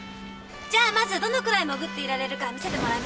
じゃあまずどのぐらい潜っていられるか見せてもらえます？